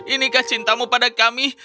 ini kan cintamu pada kami